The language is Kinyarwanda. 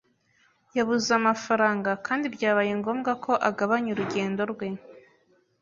yabuze amafaranga kandi byabaye ngombwa ko agabanya urugendo rwe.